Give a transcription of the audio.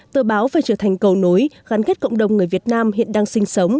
tờ báo phải trở thành cầu nối gắn kết cộng đồng người việt nam hiện đang sinh sống